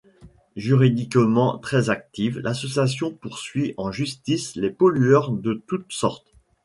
Juridiquement très active, l’association poursuit en justice les pollueurs de toutes sortes.